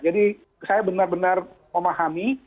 jadi saya benar benar memahami